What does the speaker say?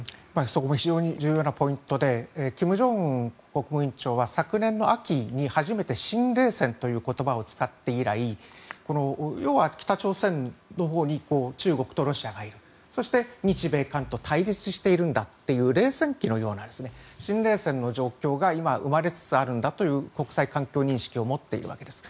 そこも非常に重要なポイントで金正恩国務委員長は昨年の秋に初めて新冷戦という言葉を使って以来要は北朝鮮のほうに中国とロシアがいるそして、日米韓と対立しているんだという冷戦期のような新冷戦の状況が今、生まれつつあるんだという国際環境認識を持っているわけです。